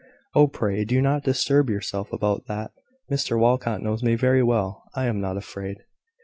"Oh, pray do not disturb yourself about that. Mr Walcot knows me very well. I am not afraid."